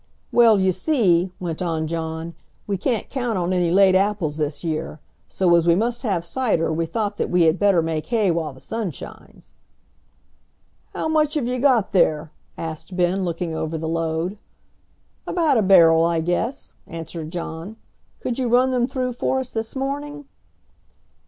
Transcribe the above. "Well, you see," went on John, "we can't count on any late apples this year, so, as we must have cider, we thought that we had better make hay while the sun shines." "How much have you got there?" asked Ben, looking over the load. "About a barrel, I guess," answered John "Could you run them through for us this morning?"